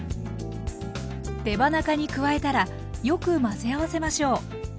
手羽中に加えたらよく混ぜ合わせましょう。